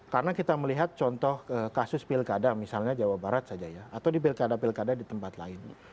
karena kita melihat contoh kasus pilkada misalnya jawa barat saja ya atau di pilkada pilkada di tempat lain